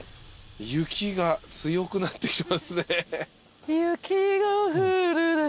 雪が強くなってきてますね。